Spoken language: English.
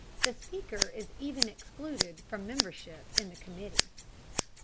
The Speaker is even excluded from membership in the committee.